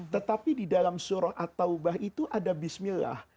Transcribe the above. tetapi di dalam surah at taubah itu ada bismillah